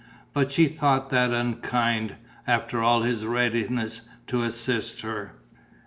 But she thought that unkind, after all his readiness to assist her.